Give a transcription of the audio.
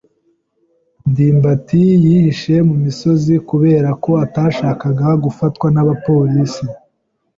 ndimbati yihishe mu misozi kubera ko atashakaga gufatwa n'abapolisi.